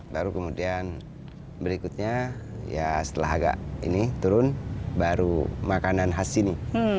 baru kemudian berikutnya ya setelah agak ini turun baru makanan khas sini